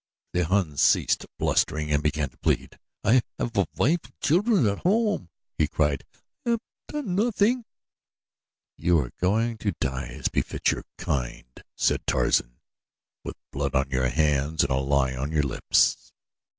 The Hun ceased blustering and began to plead. "I have a wife and children at home," he cried. "I have done nothing, I " "You are going to die as befits your kind," said Tarzan, "with blood on your hands and a lie on your lips."